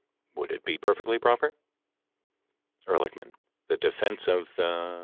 Would it be perfectly proper? E. The defense of the P.